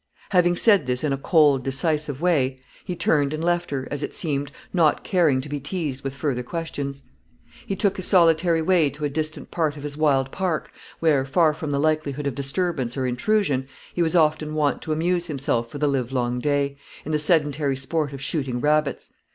Having said this in a cold, decisive way, he turned and left her, as it seemed, not caring to be teased with further questions. He took his solitary way to a distant part of his wild park, where, far from the likelihood of disturbance or intrusion, he was often wont to amuse himself for the live long day, in the sedentary sport of shooting rabbits.